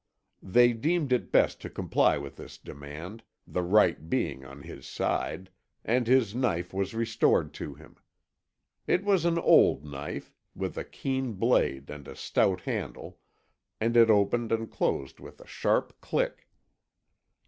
They deemed it best to comply with this demand, the right being on his side, and his knife was restored to him. It was an old knife, with a keen blade and a stout handle, and it opened and closed with a sharp click.